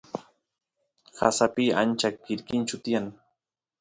qasapi achka quirquinchu tiyan